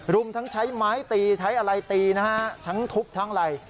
รุมทั้งใช้ไม้ตีใช้อะไรตีนะฮะทั้งทุบทั้งอะไร